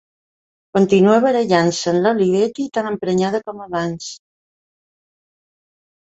Continua barallant-se amb l'Olivetti tan emprenyada com abans.